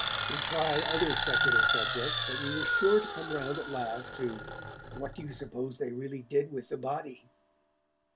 We tried other secular subjects, but we were sure to come around at last to 'what do you suppose they really did with the body?'